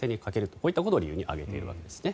こういったことを理由に挙げているわけです。